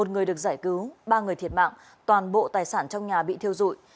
một người được giải cứu ba người thiệt mạng toàn bộ tài sản trong nhà bị thiêu dụi